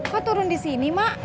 kok turun disini mak